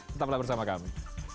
tetaplah bersama kami